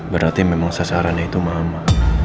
berarti memang sasarannya itu mama